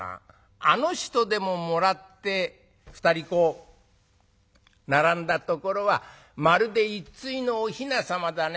あの人でももらって二人並んだところはまるで一対のおひなさまだね』